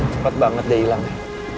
cepet banget dia hilang ya